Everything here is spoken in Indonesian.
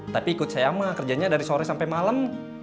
tapi ikut saya sama kerjanya dari sore sampai malam